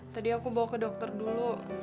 tadi aku bawa ke dokter dulu